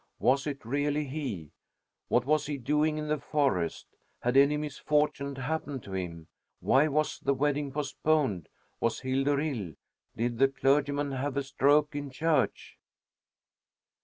Was it really he? What was he doing in the forest? Had any misfortune happened to him? Why was the wedding postponed? Was Hildur ill? Did the clergyman have a stroke in church?